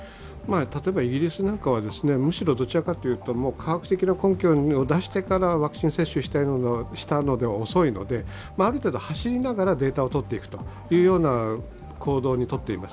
例えばイギリスなんかはどちらかというと科学的な根拠を出してからワクチン接種したのでは遅いので、ある程度、走りながらデータを取っていく行動を取っています。